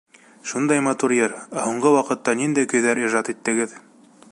Шундай матур йыр, ә һуңғы ваҡытта ниндәй көйҙәр ижад иттегеҙ?